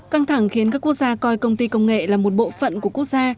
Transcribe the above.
căng thẳng khiến các quốc gia coi công ty công nghệ là một bộ phận của quốc gia